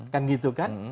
kan gitu kan